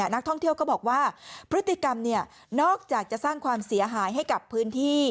นักท่องเที่ยวก็บอกว่าพฤติกรรมนอกจากจะสร้างความเสียหายให้กับพื้นที่